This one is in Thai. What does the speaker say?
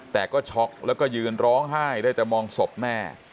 แต่ก็ช็อกแล้วก็ยืนร้องไห้ได้แต่มองศพแม่